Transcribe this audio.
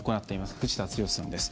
藤田壮さんです。